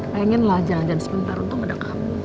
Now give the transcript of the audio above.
kayakin lah jangan jangan sebentar untung ada kamu